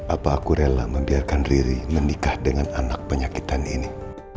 apa aku rela membiarkan diri menikah dengan anak penyakitan ini